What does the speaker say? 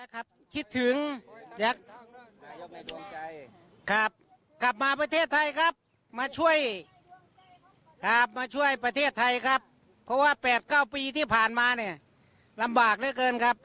คุณสุลินบอกว่ามีความผูกพันกับคุณนักศิลป์ทำให้ดีใจมากและเชื่อว่าจะทำให้ดีใจมาก